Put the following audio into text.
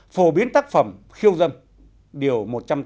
phổ biến tác phẩm khiêu dâm điều một trăm tám mươi